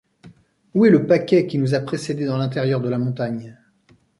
Où est le paquet qui nous a précédés dans l’intérieur de la montagne ?